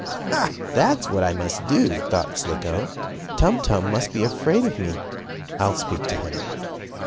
"Ha! That's what I must do!" thought Slicko. "Tum Tum must be afraid of me. I'll speak to him."